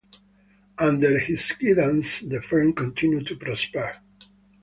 Under his guidance, the firm continued to prosper.